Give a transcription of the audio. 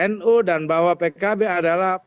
nu dan bahwa pkb adalah